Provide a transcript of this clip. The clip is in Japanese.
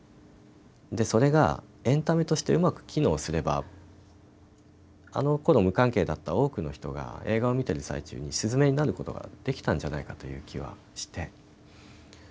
それがエンタメとしてうまく機能すればあのころ無関係だった多くの人が映画を見てる最中に鈴芽になることができたんじゃないかという気はして。